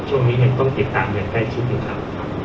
ช่วงนี้ยังต้องติดตามอย่างใกล้ชิดอยู่ครับ